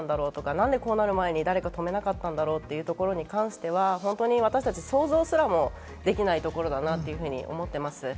なぜこうなる前に誰が止めなかったんだろう？というところに関しては、私たち、想像すらもできないところだなと思ってます。